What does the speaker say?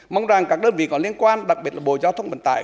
mong rằng các đơn vị có liên quan đặc biệt là bộ giao thông bản tài